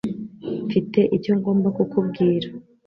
Mfite icyo ngomba kukubwira.